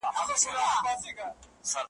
صفیه حليم خبرياله او داستان لیکونکې وه